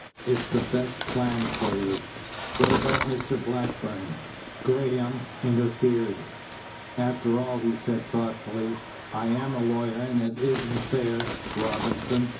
"It's the best plan for you. What about Mr. Blackburn?" Graham interfered. "After all," he said thoughtfully. "I'm a lawyer, and it isn't fair, Robinson.